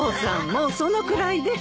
もうそのくらいで。